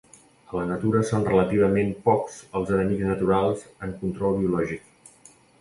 A la natura són relativament pocs els enemics naturals en control biològic.